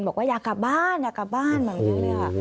บอกว่าอยากกลับบ้านอยากกลับบ้านแบบนี้เลย